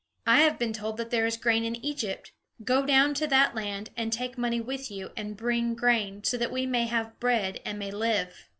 I have been told that there is grain in Egypt. Go down to that land, and take money with you, and bring grain, so that we may have bread, and may live."